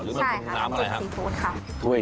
ใช่ค่ะน้ำซิ่มซีฟู้ดค่ะ